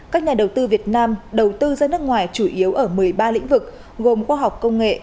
các nhà đầu tư việt nam đầu tư ra nước ngoài chủ yếu ở một mươi ba lĩnh vực gồm khoa học công nghệ